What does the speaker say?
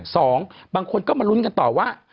สองคนก็มาลุ้นกันต่อว่า